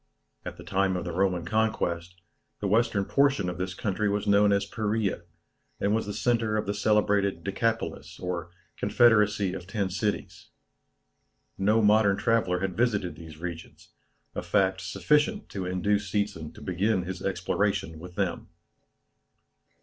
At the time of the Roman conquest, the western portion of this country was known as Perea, and was the centre of the celebrated Decapolis or confederacy of ten cities. No modern traveller had visited these regions, a fact sufficient to induce Seetzen to begin his exploration with them.